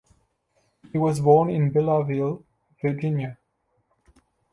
He was born in Beulahville, Virginia.